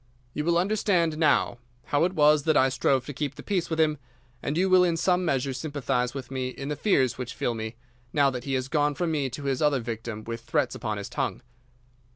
You will understand now how it was that I strove to keep the peace with him, and you will in some measure sympathise with me in the fears which fill me, now that he has gone from me to his other victim with threats upon his tongue.